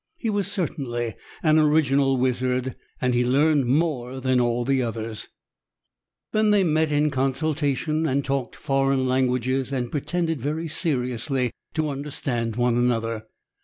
He was certainly an original wizard, and he learned more than all the others. Then they met in consultation and talked foreign languages and pretended very seriously to understand one another.